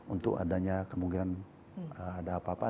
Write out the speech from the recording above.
untuk adanya kemungkinan ada apa apa